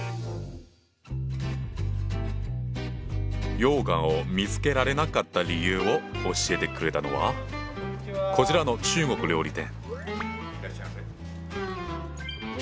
羊羹を見つけられなかった理由を教えてくれたのはこちらの中国料理店。